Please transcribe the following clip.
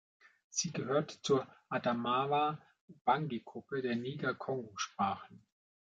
Sie gehört zur Adamawa-Ubangi-Gruppe der Niger-Kongo-Sprachen.